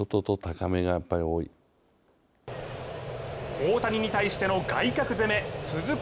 大谷に対しての外角攻め続く